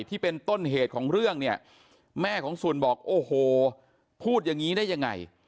ที่เป็นต้นเหตุของเรื่องเนี่ยแม่ของสุนบอกโอ้โหพูดอย่างนี้ได้ยังไง